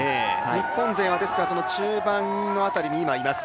日本勢は中盤の辺りに今、います。